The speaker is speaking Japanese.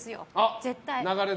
絶対。